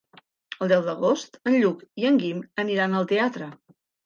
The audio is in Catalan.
El deu d'agost en Lluc i en Guim aniran al teatre.